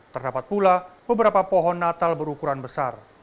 terdapat pula beberapa pohon natal berukuran besar